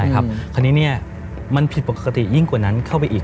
คราวนี้มันผิดปกติยิ่งกว่านั้นเข้าไปอีก